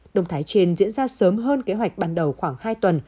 động thái trên diễn ra sớm hơn kế hoạch ban đầu khoảng hai tuần